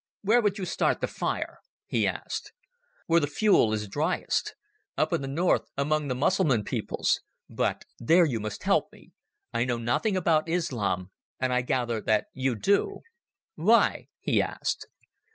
"Where would you start the fire?" he asked. "Where the fuel is dryest. Up in the North among the Mussulman peoples. But there you must help me. I know nothing about Islam, and I gather that you do." "Why?" he asked.